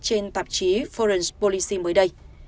trên tạp chí foreign policy mới đây